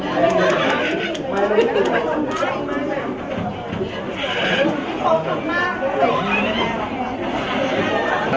เกมก็คือทุกขั้นออเจ้าทั้งหลายที่ถ่ายรูปนะคะ